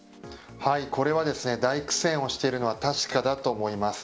これは、大苦戦をしているのは確かだと思います。